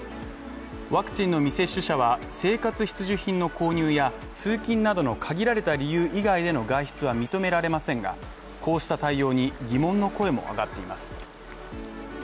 ワクチンの未接種者は生活必需品の購入や通勤などの限られた理由以外での外出は認められませんが、こうした対応に疑問の声も上がっています